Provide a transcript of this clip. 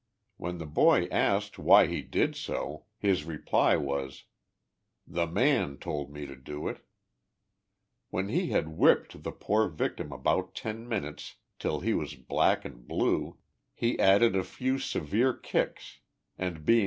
When the boy asked why he did so, his reply was, 4 the man told me to do it.' When he had whipped the poor victim about ten minutes, till he was black and blue, he added a few severe kicks, and being S9 HIE LIFE OF JESSE HARDIXG POMEROY.